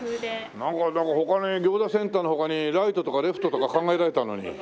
なんか他に餃子センターの他にライトとかレフトとか考えられたのに。